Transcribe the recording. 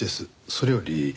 それより。